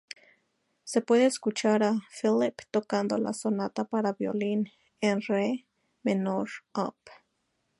Se puede escuchar a Philipp tocando la "Sonata para violín en re menor, op.